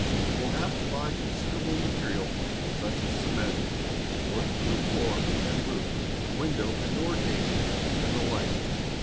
We'll have to buy considerable material, such as cement, boards for the floor and roof, window and door casings, and the like.